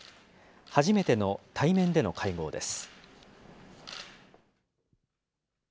初めての対面での会合です。